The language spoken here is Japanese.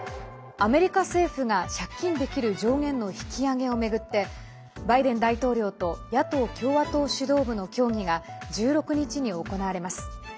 アメリカ政府が借金できる上限の引き上げを巡ってバイデン大統領と野党・共和党指導部の協議が１６日に行われます。